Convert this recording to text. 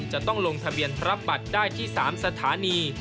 จะต้องลงทะเบียนรับบัตรได้ที่๓สถานี